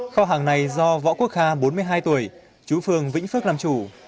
kho hàng này do võ quốc kha bốn mươi hai tuổi chú phường vĩnh phước làm chủ